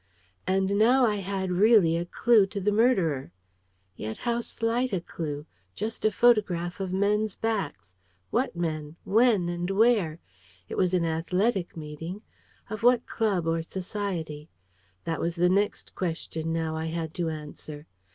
And now I had really a clue to the murderer. Yet how slight a clue! Just a photograph of men's backs. What men? When and where? It was an athletic meeting. Of what club or society? That was the next question now I had to answer.